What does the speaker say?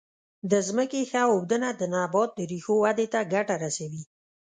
د ځمکې ښه اوبدنه د نبات د ریښو ودې ته ګټه رسوي.